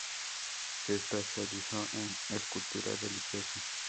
Se especializó en escultura religiosa.